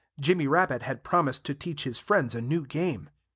Jimmy Rabbit had promised to teach his friends a new game.